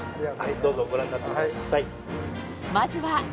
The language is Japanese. どうぞご覧になってください。